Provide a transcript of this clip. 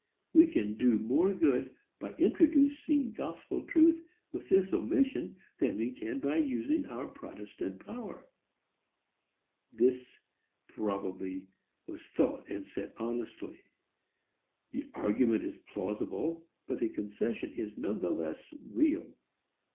We can do more good by introducing gospel truth with this omission than we can by using our protestant power." This, probably, was thought and said honestly. The argument is plausible, but the concession is none the less real.